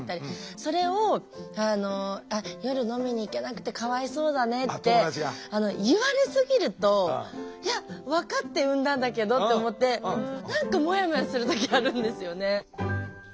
それをあの「夜飲みに行けなくてかわいそうだね」って言われすぎると「いや分かって産んだんだけど」って思って何かもやもやする時あるんですよね。